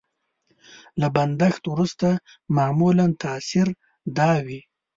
له بندښت وروسته معمولا تاثر دا وي.